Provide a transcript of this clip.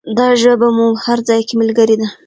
دا ژبه مو په هر ځای کې ملګرې ده.